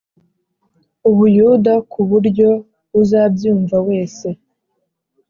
u Buyuda ku buryo uzabyumva wese